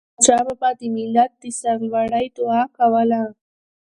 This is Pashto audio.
احمدشاه بابا به د ملت د سرلوړی دعا کوله.